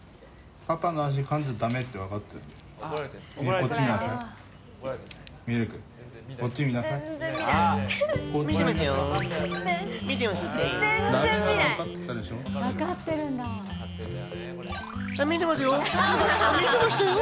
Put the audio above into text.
パパの足、かんじゃだめって、分かってたよね？